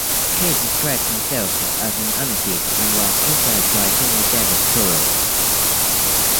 Cage described himself as an anarchist, and was influenced by Henry David Thoreau.